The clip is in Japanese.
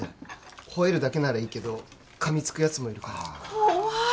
ほえるだけならいいけど噛みつくヤツもいるから怖い！